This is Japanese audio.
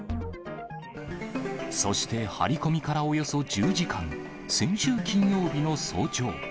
そして張り込みからおよそ１０時間、先週金曜日の早朝。